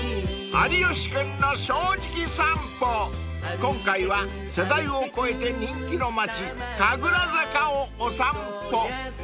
［今回は世代を超えて人気の町神楽坂をお散歩］